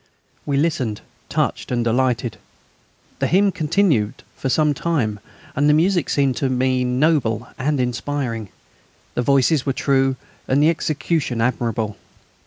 We listened, touched and delighted. The hymn continued for some time, and the music seemed to me noble and inspiring; the voices were true and the execution admirable.